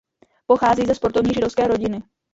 Pochází ze sportovní židovské rodiny.